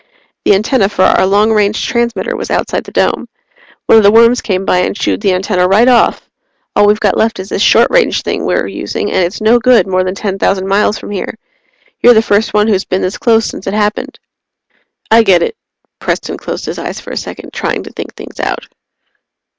"The antenna for our long range transmitter was outside the Dome. One of the worms came by and chewed the antenna right off. All we've got left is this short range thing we're using and it's no good more than ten thousand miles from here. You're the first one who's been this close since it happened." "I get it." Preston closed his eyes for a second, trying to think things out.